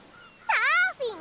サーフィン？